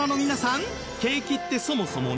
景気ってそもそも何？